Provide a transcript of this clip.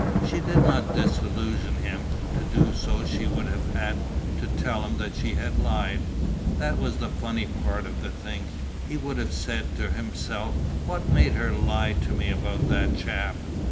She did not disillusion him; to do so she would have had to tell him that she had lied. That was the funny part of the thing. He would have said to himself "what made her lie to me about that chap?"